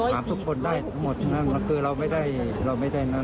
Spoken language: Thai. ถามทุกคนได้หมดนั้นคือเราไม่ได้เราไม่ได้นั้น